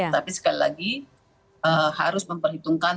tapi sekali lagi harus memperhitungkan